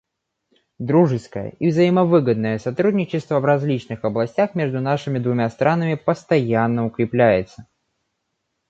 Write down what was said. Дружеское и взаимовыгодное сотрудничество в различных областях между нашими двумя странами постоянно укрепляется.